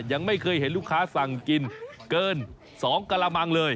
ยังไม่เคยเห็นลูกค้าสั่งกินเกิน๒กระมังเลย